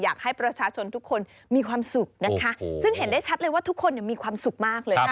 อยากให้ประชาชนทุกคนมีความสุขนะคะซึ่งเห็นได้ชัดเลยว่าทุกคนมีความสุขมากเลยนะ